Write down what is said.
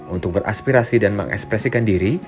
untuk beraspirasi dan mengekspresikan diri